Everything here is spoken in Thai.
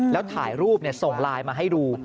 แล้วถ่ายรูปส่งไลน์มาให้ดู